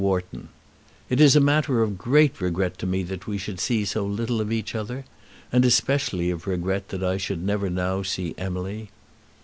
WHARTON, It is a matter of great regret to me that we should see so little of each other, and especially of regret that I should never now see Emily.